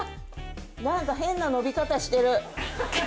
なんか変な伸び方してる。